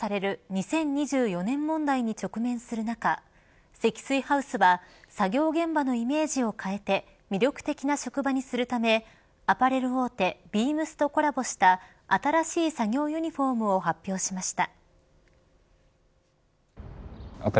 ２０２４年問題に直面する中積水ハウスは作業現場のイメージを変えて魅力的な職場にするためアパレル大手ＢＥＡＭＳとコラボした新しい作業ユニホームを発表しました。